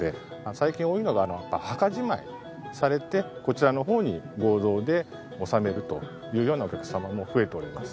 最近多いのが墓じまいされてこちらの方に合同で納めるというようなお客様も増えております。